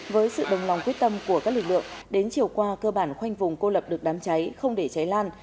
với sự đồng lòng quyết tâm của các lực lượng đến chiều qua cơ bản khoanh vùng cô lập được đám cháy không để cháy lan